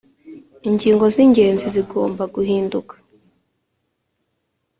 Ingingo zingenzi zigomba guhinduka